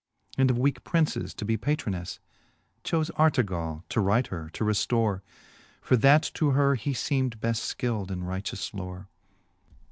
And of weake princes to be patronelTe, Choie Artegall to right her to reftore ; For that to her he feem'd beft Ikild in righteous lore.